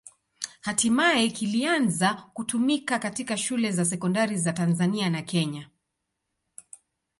Hatimaye kilianza kutumika katika shule za sekondari za Tanzania na Kenya.